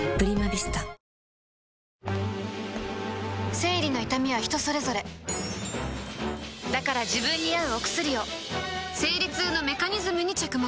生理の痛みは人それぞれだから自分に合うお薬を生理痛のメカニズムに着目